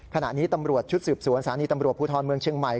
ขณะนี้ตำรวจชุดสืบสวนสถานีตำรวจภูทรเมืองเชียงใหม่